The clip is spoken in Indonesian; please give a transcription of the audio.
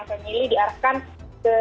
yang kita milih diarahkan ke